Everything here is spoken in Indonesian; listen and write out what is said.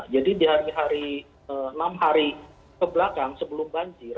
jadi di hari hari enam hari ke belakang sebelum banjir